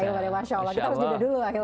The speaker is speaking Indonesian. masya allah kita harus jeda dulu